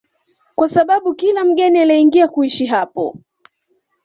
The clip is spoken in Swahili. kwa sababu kila mgeni alieingia kuishi hapo